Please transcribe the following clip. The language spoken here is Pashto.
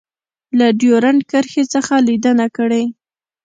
له ډیورنډ کرښې څخه لیدنه کړې